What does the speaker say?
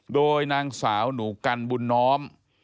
โดยนางสาวหนูกันบุญน้อม